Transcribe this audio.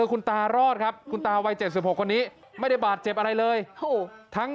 คุณตารอดครับคุณตาวัย๗๖คนนี้ไม่ได้บาดเจ็บอะไรเลยทั้ง